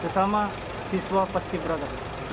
sama siswa paski braka